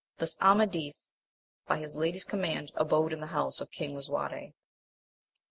Thus Amadis, by his lady's commaiid, abode in the house of King Lisuarte.